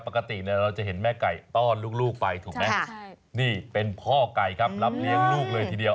ปกติเราจะเห็นแม่ไก่ต้อนลูกไปถูกไหมนี่เป็นพ่อไก่ครับรับเลี้ยงลูกเลยทีเดียว